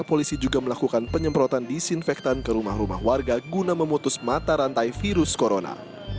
polisi juga melakukan penyemprotan disinfektan ke rumah rumah warga guna memutus mata rantai virus corona